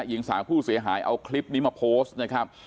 หญิงสาวผู้เสียหายเอาคลิปนี้มาโพสต์นะครับ